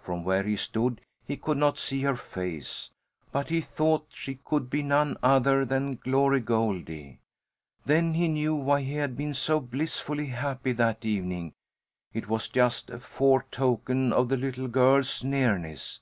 From where he stood he could not see her face, but he thought she could be none other than Glory Goldie. Then he knew why he had been so blissfully happy that evening; it was just a foretoken of the little girl's nearness.